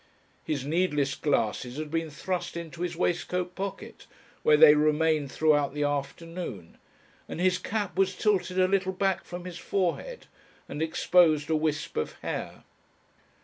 His needless glasses had been thrust into his waistcoat pocket where they remained throughout the afternoon and his cap was tilted a little back from his forehead and exposed a wisp of hair.